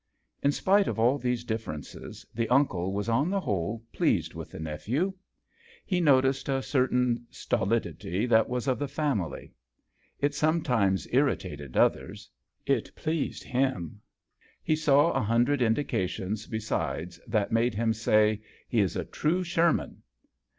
In spite of all these differences, the uncle was on the whole pleased with the nephew. He noticed a certain stolidity that was of the family. It sometimes JOHN SHERMAN. irritated others. It pleased him. He saw a hundred indications besides that made him say, " He is a true Sherman.